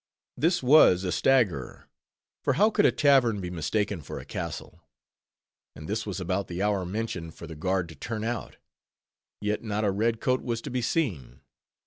This was a staggerer; for how could a tavern be mistaken for a castle? and this was about the hour mentioned for the guard to turn out; yet not a red coat was to be seen.